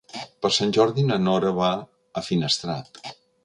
Per Sant Jordi na Nora va a Finestrat.